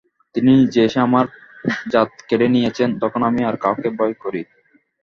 তিনি নিজে এসে আমার জাত কেড়ে নিয়েছেন, তখন আমি আর কাকে ভয় করি।